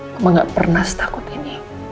mama ga pernah setakut ini